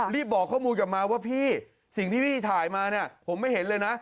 บอกข้อมูลกลับมาว่าพี่สิ่งที่พี่ถ่ายมาเนี่ยผมไม่เห็นเลยนะ